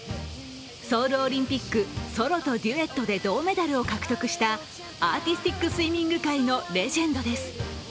ソウルオリンピック、ソロとデュエットで銅メダルを獲得したアーティスティックスイミング界のレジェンドです。